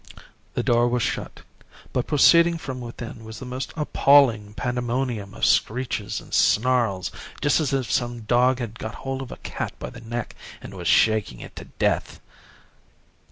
The door was shut, but proceeding from within was the most appalling pandemonium of screeches and snarls, just as if some dog had got hold of a cat by the neck and was shaking it to death.